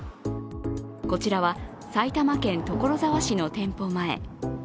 こちらは埼玉県所沢市の店舗前。